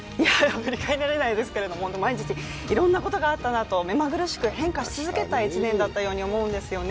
振り返られないですけれども、毎日いろいろなことがあったなと、目まぐるしく変化し続けた１年だったと思うんですよね。